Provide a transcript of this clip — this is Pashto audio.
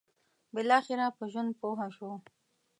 بالاخره په ژوند پوه شو.